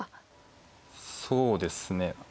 そうですね。